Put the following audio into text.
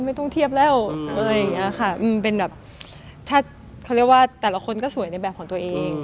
เออไม่ต้องเทียบแล้วว่าแต่ละคอยได้สวยในแบบของตัวเอง